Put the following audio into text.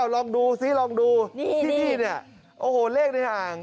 ลองดูซิลองดูที่นี่เนี่ยโอ้โหเลขในห่าง